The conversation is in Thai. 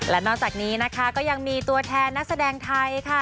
และนอกจากนี้นะคะก็ยังมีตัวแทนนักแสดงไทยค่ะ